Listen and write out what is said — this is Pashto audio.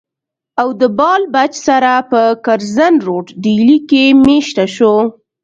او د بال بچ سره پۀ کرزن روډ ډيلي کښې ميشته شو